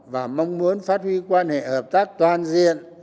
và mong muốn phát huy quan hệ hợp tác toàn diện